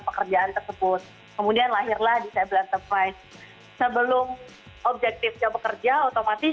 pekerjaan tersebut kemudian lahirlah disabilitas surprise sebelum objektifnya bekerja otomatis